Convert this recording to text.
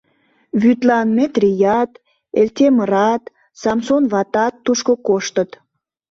Вӱдлан Метрият, Элтемырат, Самсон ватат тушко коштыт.